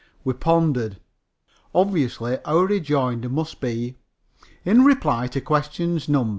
We pondered. Obviously, our rejoinder must be: "In reply to questions NOS.